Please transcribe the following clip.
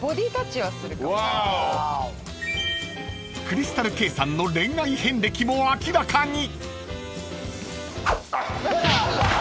［クリスタルケイさんの恋愛遍歴も明らかに］